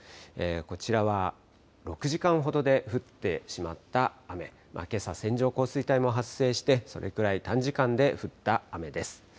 こちらは６時間ほどで降ってしまった雨、けさ線状降水帯も発生してそれくらい短時間で降った雨です。